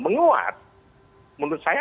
menguat menurut saya